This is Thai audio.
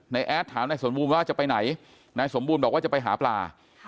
แอดถามนายสมบูรณ์ว่าจะไปไหนนายสมบูรณ์บอกว่าจะไปหาปลา